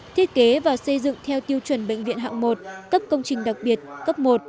thiết kế và xây dựng theo tiêu chuẩn bệnh viện hạng một cấp công trình đặc biệt cấp một